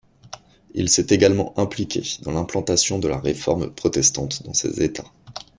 Il s'est également impliqué dans l'implantation de la réforme protestante dans ses États.